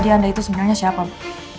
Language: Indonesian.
di anda itu sebenarnya siapa bu